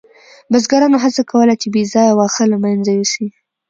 بزګرانو هڅه کوله چې بې ځایه واښه له منځه یوسي.